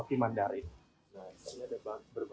roti mandarin ini menjadi isu yang sangat terkenal